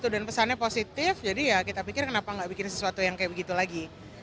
dan pesannya positif jadi ya kita pikir kenapa gak bikin sesuatu yang kayak begitu lagi